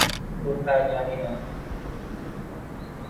কোথায় জানি না।